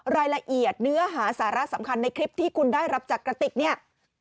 รายละเอียดเนื้อหาศาละสำคัญในคลิปที่คุณได้รับจากกระติก